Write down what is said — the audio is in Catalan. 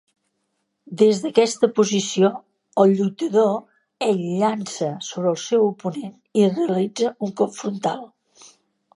Des d'aquesta posició, el lluitador ell llança sobre el seu oponent i realitza un cop frontal.